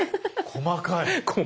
細かい。